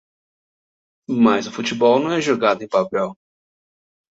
Mas o futebol não é jogado em papel.